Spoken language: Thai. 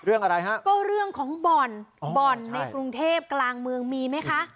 อะไรฮะก็เรื่องของบ่อนบ่อนในกรุงเทพกลางเมืองมีไหมคะ